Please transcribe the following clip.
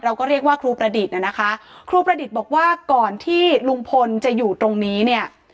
เราก็เรียกว่าครูประดิษฐ์นะคะครูประดิษฐ์บอกว่าก่อนที่ลุงพลจะอยู่ตรงนี้เนี่ย